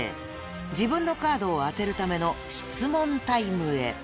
［自分のカードを当てるための質問タイムへ］